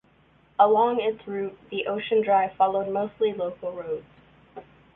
Along its route, the Ocean Drive followed mostly local roads.